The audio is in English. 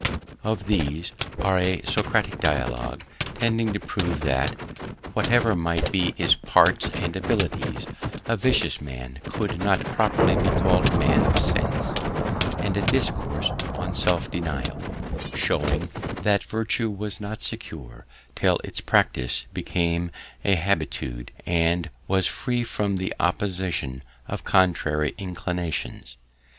Of these are a Socratic dialogue, tending to prove that, whatever might be his parts and abilities, a vicious man could not properly be called a man of sense; and a discourse on self denial, showing that virtue was not secure till its practice became a habitude, and was free from the opposition of contrary inclinations.